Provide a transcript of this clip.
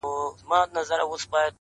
راسه يوار راسه صرف يوه دانه خولگۍ راكړه،